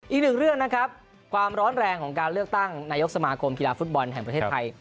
อีกหนึ่งเรื่องนะครับความร้อนแรงของการเลือกตั้งนายกสมาคมกีฬาฟุตบอลแห่งประเทศไทย